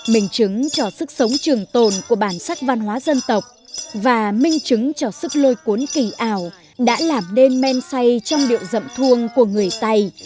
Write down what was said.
mình chứng cho sức sống trường tồn của bản sắc văn hóa dân tộc và minh chứng cho sức lôi cuốn kỳ ảo đã làm nên men say trong điệu dậm thuông của người tày